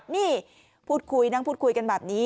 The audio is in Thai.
นี่พูดคุยนั่งพูดคุยกันแบบนี้